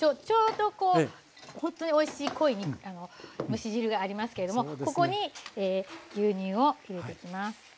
ちょうどこうほんとにおいしい濃い蒸し汁がありますけれどもここに牛乳を入れていきます。